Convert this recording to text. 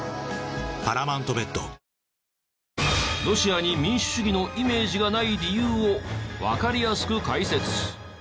ロシアに民主主義のイメージがない理由をわかりやすく解説。